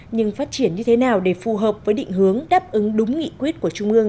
nhưng phát triển như thế nào để phù hợp với định hướng đáp ứng đúng nghị quyết của trung ương